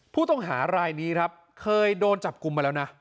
ผู้ต้องหารายนี้ครับเคยโดนจับกลุ่มมาแล้วนะ